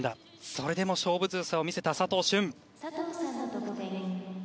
それでも勝負強さを見せた佐藤駿。